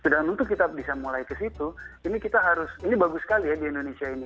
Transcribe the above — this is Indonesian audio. dan untuk kita bisa mulai ke situ ini kita harus ini bagus sekali ya di indonesia ini